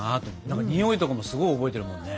何かにおいとかもすごい覚えてるもんね。